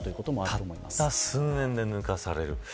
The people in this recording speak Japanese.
たった数年で抜かされる。